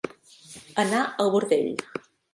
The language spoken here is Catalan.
Anar al bordell.